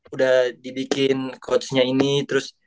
udah dibikin coachnya ini terus